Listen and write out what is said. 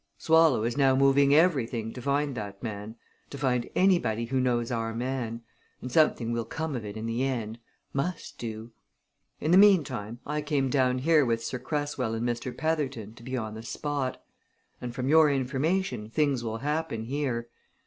Swallow is now moving everything to find that man to find anybody who knows our man and something will come of it, in the end must do. In the meantime I came down here with Sir Cresswell and Mr. Petherton, to be on the spot. And, from your information, things will happen here!